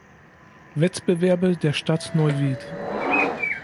Wettbewerbe der Stadt Neuwied.